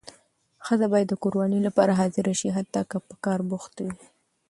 ښځه باید د کوروالې لپاره حاضره شي حتی که په کار بوخته وي.